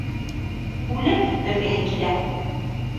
Үлеп белгеһе килә!